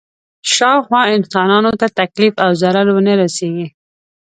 شاوخوا انسانانو ته تکلیف او ضرر ونه رسېږي.